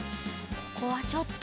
ここはちょっと。